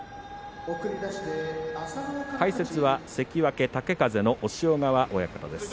解説は関脇豪風の押尾川親方です。